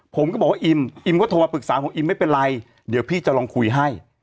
ผมก็บอกว่าอิมอิมก็โทรมาปรึกษาบอกอิมไม่เป็นไรเดี๋ยวพี่จะลองคุยให้